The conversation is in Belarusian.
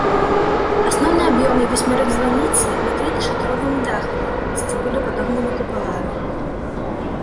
Асноўны аб'ём і васьмярык званіцы накрыты шатровымі дахамі з цыбулепадобнымі купаламі.